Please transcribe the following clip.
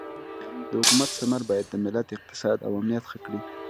د حکومت ثمر باید د ملت اقتصاد او امنیت ښه کړي.